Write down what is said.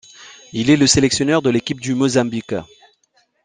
Il est le sélectionneur de l'équipe du Mozambique.